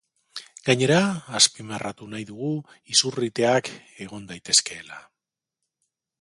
Gainera, azpimarratu nahi dugu izurriteak egon daitezkeela.